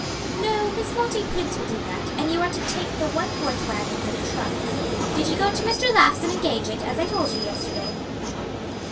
"No, Miss Lottie Prince will do that, and you are to take the one horse wagon for the trunks. Did you go to Mr. Laugh's and engage it, as I told you yesterday?"